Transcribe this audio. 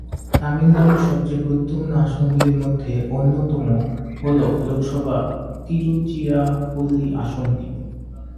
তামিলনাড়ুর সবচেয়ে গুরুত্বপূর্ণ আসনগুলির মধ্যে অন্যতম হল লোকসভা তিরুচিরাপল্লী আসনটি।